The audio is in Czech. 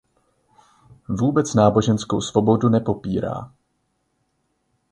Vůbec náboženskou svobodu nepopírá.